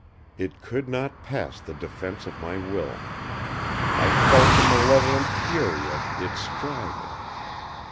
It could not pass the defense of my will. I felt the malevolent fury of Its striving.